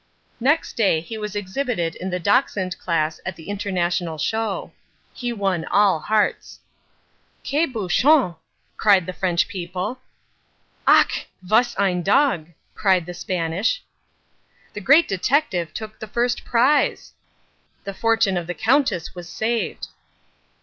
Next day he was exhibited in the Dachshund class at the International show. He won all hearts. "Quel beau chien!" cried the French people. "Ach! was ein Dog!" cried the Spanish. The Great Detective took the first prize! The fortune of the Countess was saved.